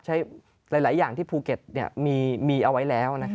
หลายอย่างที่ภูเก็ตมีเอาไว้แล้ว